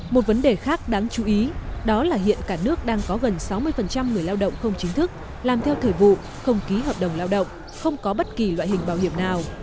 một vấn đề khác đáng chú ý đó là hiện cả nước đang có gần sáu mươi người lao động không chính thức làm theo thời vụ không ký hợp đồng lao động không có bất kỳ loại hình bảo hiểm nào